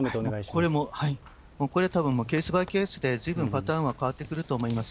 これも、これはたぶんケースバイケースで、ずいぶんパターンは変わってくると思います。